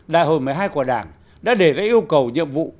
đại hội một mươi hai của đảng đã đề ra yêu cầu nhiệm vụ